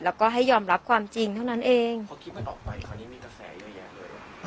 แล้วก็ให้ยอมรับความจริงเท่านั้นเองพอคลิปมันออกไปคราวนี้มีกระแสเยอะแยะเลย